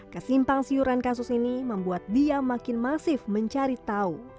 kesimpang siuran kasus ini membuat dia makin masif mencari tahu